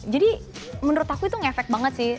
jadi menurut aku itu ngefek banget sih